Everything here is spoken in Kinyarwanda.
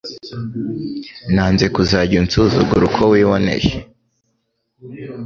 nanze kuzajya unsuzugura uko wiboneye